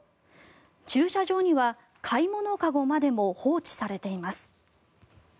駐車場には買い物籠までも放置されています。